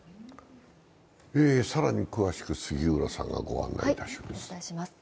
更に詳しく杉浦さんがご案内いたします。